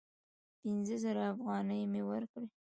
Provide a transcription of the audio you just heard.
پینځه زره افغانۍ مي ورکړې !